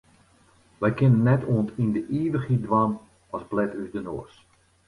Wy kinne net oant yn de ivichheid dwaan as blet ús de noas.